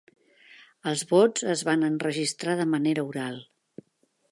Els vots es van enregistrar de manera oral.